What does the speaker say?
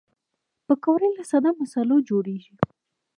پکورې له ساده مصالحو جوړېږي